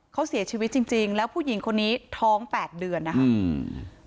เขาเสียชีวิตจริงแล้วผู้หญิงคนนี้ท้อง๘เดือนนะครับ